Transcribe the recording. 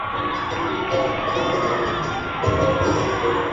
au waasi wasiendelee tena kujijenga wakivuka mpaka basi tutawashughulikia